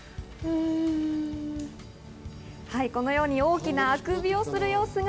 このように大きなあくびをする様子が。